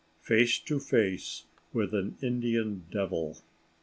*FACE TO FACE WITH AN "INDIAN DEVIL."